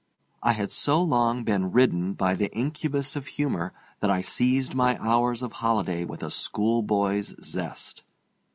I had so long been ridden by the incubus of humor that I seized my hours of holiday with a schoolboy's zest.